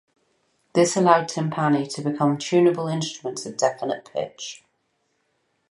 This allowed timpani to become tunable instruments of definite pitch.